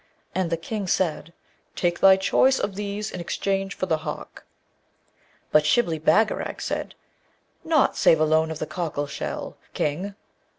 And the King said, 'Take thy choice of these in exchange for the hawk.' But Shibli Bagarag said, 'Nought save a loan of the cockle shell, King!'